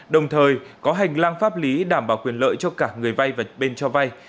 đồng thời có hành lang pháp lý đảm bảo quyền lợi cho cả người vay và bên cho vay